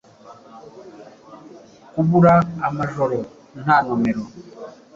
Kubura amajoro nta numero